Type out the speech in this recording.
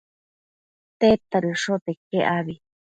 tedta dëshote iquec abi?